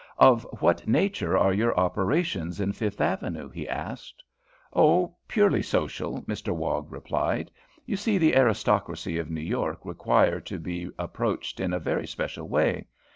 "Of what nature are your operations in Fifth Avenue?" he asked. "Oh, purely social," Mr Wog replied. "You see the aristocracy of New York require to be approached in a very special way.